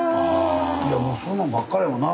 いやもうそんなんばっかりやもんな。